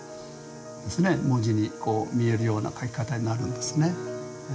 文字に見えるような書き方になるんですね。